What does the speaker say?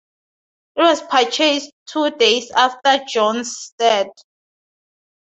It was purchased two days after Jones' death.